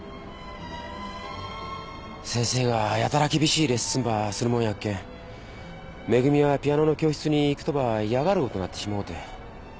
先生がやたら厳しいレッスンばするもんやけん恵はピアノの教室に行くとば嫌がるごとなってしもうて。